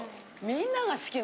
みんな好き。